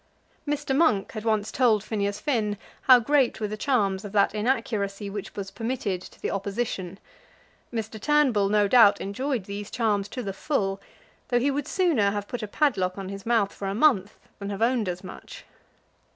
Mr. Monk had once told Phineas Finn how great were the charms of that inaccuracy which was permitted to the Opposition. Mr. Turnbull no doubt enjoyed these charms to the full, though he would sooner have put a padlock on his mouth for a month than have owned as much.